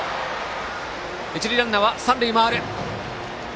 一塁ランナーは三塁回る。